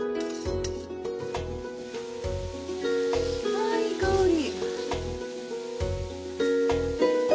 ああいい香り。